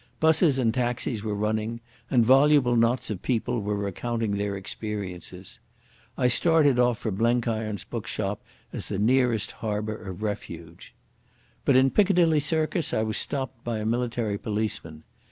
Buses and taxis were running, and voluble knots of people were recounting their experiences. I started off for Blenkiron's bookshop, as the nearest harbour of refuge. But in Piccadilly Circus I was stopped by a military policeman.